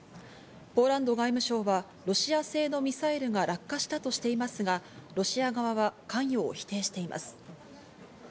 ポーランド外務省はロシア製のミサイルが落下したとしていますが、ロシア側は関与を否定しています。